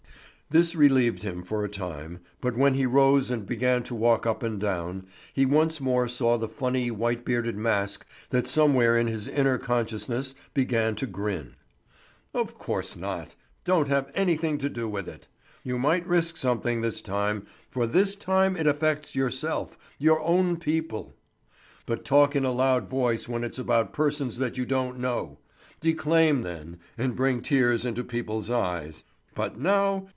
This relieved him for a time, but when he rose and began to walk up and down, he once more saw the funny, white bearded mask that somewhere in his inner consciousness began to grin. "Of course not, don't have anything to do with it! You might risk something this time, for this time it affects yourself, your own people. But talk in a loud voice when it's about persons that you don't know! Declaim then, and bring tears into people's eyes; but now?